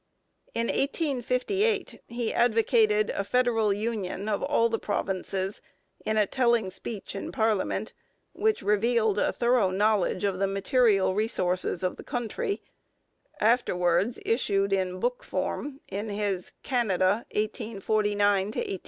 In 1858 he advocated a federal union of all the provinces in a telling speech in parliament, which revealed a thorough knowledge of the material resources of the country, afterwards issued in book form in his Canada: 1849 to 1859.